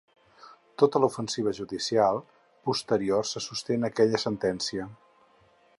Tota l’ofensiva judicial posterior se sosté en aquella sentència.